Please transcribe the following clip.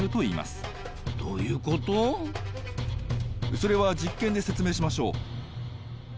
それは実験で説明しましょう。